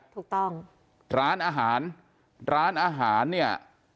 ร้านอาหารร้านอาหารเนี่ย